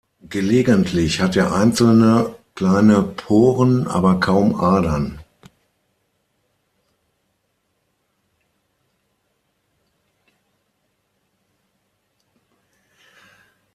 Gelegentlich hat er einzelne kleine Poren, aber kaum Adern.